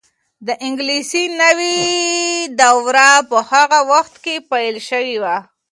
د انګلیسي نوې دوره په هغه وخت کې پیل شوې وه.